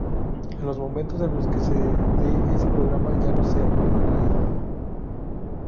en los momentos en los que de ese programa ya no se acuerda nadie